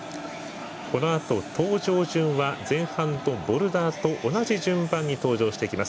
このあと登場順は前半と、ボルダーと同じ順番に登場してきます。